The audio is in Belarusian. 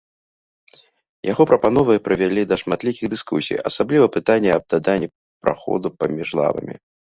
Яго прапановы прывялі да шматлікіх дыскусій, асабліва пытанне аб даданні праходу паміж лавамі.